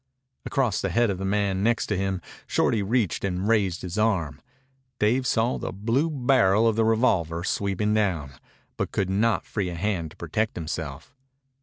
Across the head of the man next him Shorty reached and raised his arm. Dave saw the blue barrel of the revolver sweeping down, but could not free a hand to protect himself.